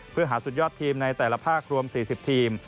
เพื่อหาสุดยอดทีมในแต่ละภาครวม๔๐ทีม